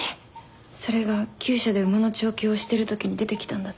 それが厩舎で馬の調教をしてるときに出てきたんだって。